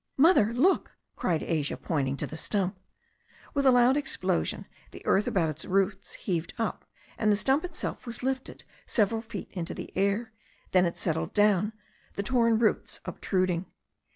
"Mother, look!" cried Asia, pointing to the stump. With a loud explosion, the earth about its roots heaved up, and the stump itself was lifted several feet into the air. Then it settled down, the torn roots obtruding.